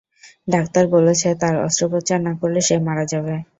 Doctor বলেছে তার অস্ত্রোপচার না করলে সে মারা যাবে।